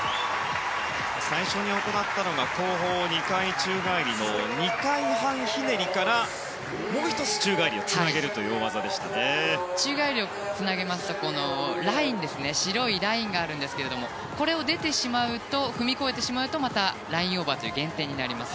最初に行ったのは後方２回宙返りの２回半ひねりからもう１つ宙返りをつなげるという宙返りをつなげますと白いラインがあるんですがこれを出てしまうと踏み越えてしまうとまたラインオーバーという減点になります。